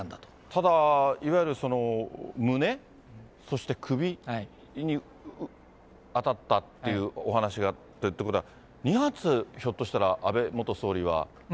ただ、いわゆる胸、そして首に当たったっていうお話があったということは、２発、ひょっとしたら安倍元総理は銃撃されている。